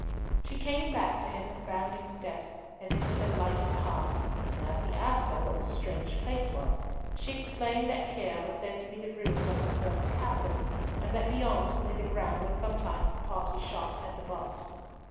She came back to him with bounding steps, as if with a lightened heart, and as he asked her what this strange place was, she explained that here were said to be the ruins of the former castle, and that beyond lay the ground where sometimes the party shot at the butts.